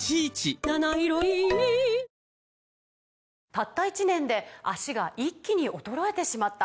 「たった１年で脚が一気に衰えてしまった」